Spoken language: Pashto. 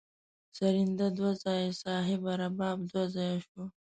سرینده دوه ځایه صاحبه رباب دوه ځایه شو.